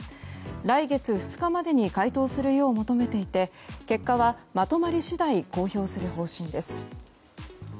来月２日までに回答するよう求めていて結果はまとまり次第公表する方針です。